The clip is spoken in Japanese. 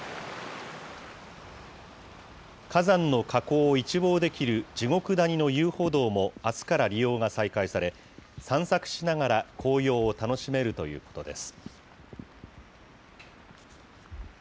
火山の火口を一望できる地獄谷の遊歩道もあすから利用が再開され、散策しながら紅葉を楽しめるということです。